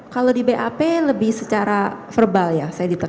kalau di bap lebih secara verbal ya saya diterima